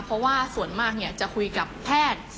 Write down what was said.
เพราะว่าส่วนมากจะคุยกับแพทย์